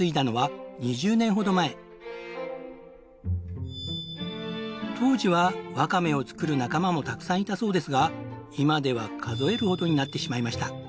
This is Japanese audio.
譲原さんが当時はワカメを作る仲間もたくさんいたそうですが今では数えるほどになってしまいました。